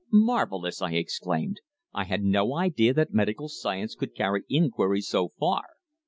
"Marvellous!" I exclaimed. "I had no idea that medical science could carry inquiries so far.